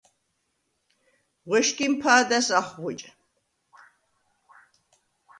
ღუ̂ეშგიმ ფა̄და̈ს ახღუ̂იჭ.